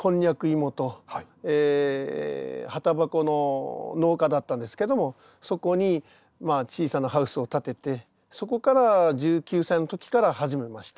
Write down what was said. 芋と葉タバコの農家だったんですけどもそこに小さなハウスを建ててそこから１９歳の時から始めました。